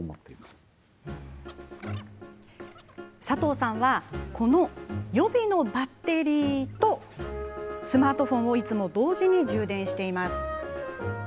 佐藤さんは予備のバッテリーとスマートフォンをいつも同時に充電しています。